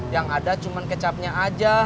yang ada cuma kecapnya aja